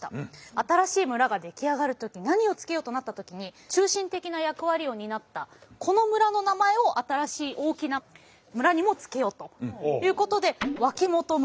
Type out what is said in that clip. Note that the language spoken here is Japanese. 新しい村が出来上がる時何を付けようとなった時に中心的な役割を担ったこの村の名前を新しい大きな村にも付けようということで脇本村